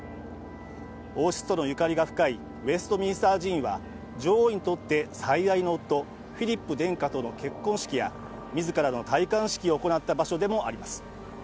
王室とのゆかりが深いウェストミンスター寺院は女王にとって最愛の夫・フィリップ殿下との結婚式や自らの戴冠式を行った場所でもあります。